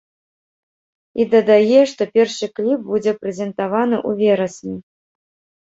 І дадае, што першы кліп будзе прэзентаваны ў верасні.